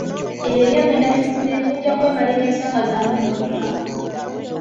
Ebyo ebyammwe nabivuddemu mujja kwemalira ensonga zammwe mwekka.